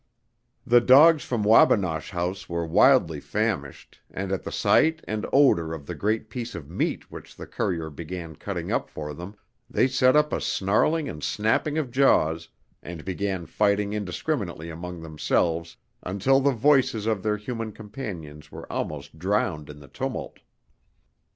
The dogs from Wabinosh House were wildly famished and at the sight and odor of the great piece of meat which the courier began cutting up for them they set up a snarling and snapping of jaws, and began fighting indiscriminately among themselves until the voices of their human companions were almost drowned in the tumult.